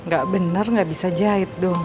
gak bener gak bisa jahit dong